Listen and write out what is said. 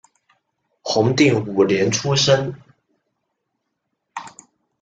弘定五年出生。